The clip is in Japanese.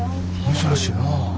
珍しいな。